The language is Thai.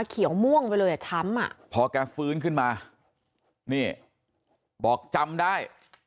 เขียวม่วงไปเลยอ่ะช้ำอ่ะพอแกฟื้นขึ้นมานี่บอกจำได้